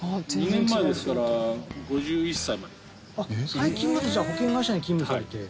最近までじゃあ保険会社に勤務されて。